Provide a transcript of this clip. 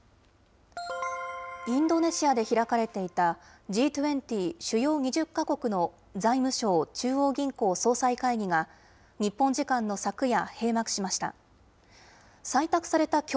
インドネシアで開かれていた、Ｇ２０・主要２０か国の財務相・中央銀行総裁会議が、日本時間の昨夜、閉幕しました。